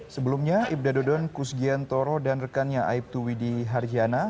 sebelumnya ibda dodon kus giantoro dan rekannya aib tuwidi harjana